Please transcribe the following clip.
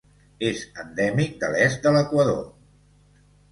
És endèmic de l'est de l'Equador.